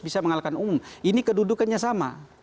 bisa mengalahkan umum ini kedudukannya sama